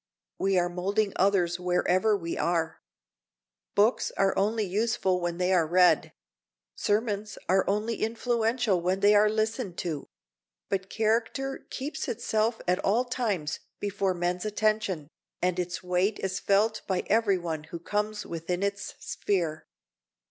We are molding others wherever we are. Books are only useful when they are read; sermons are only influential when they are listened to; but character keeps itself at all times before men's attention, and its weight is felt by every one who comes within its sphere.